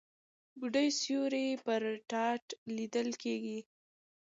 بوډۍ سيوری پر تاټ ليدل کېده.